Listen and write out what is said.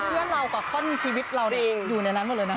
เพื่อนเรากับคนชีวิตเราอยู่ในนั้นหมดเลยนะคะ